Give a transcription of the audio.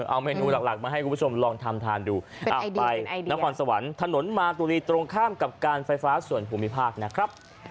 เอาเมนูหลักมาให้คุณผู้ชมลองทำทานดูเอาไปนครสวรรค์ถนนมาตุลีตรงข้ามกับการไฟฟ้าส่วนภูมิภาคนะครับ